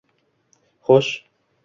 Xo'sh